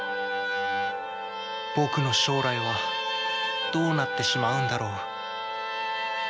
僕の将来はどうなってしまうんだろう？